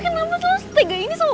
kamu harus putus sama dia